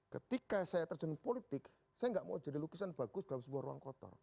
ketika saya terjun politik saya nggak mau jadi lukisan bagus dalam sebuah ruang kotor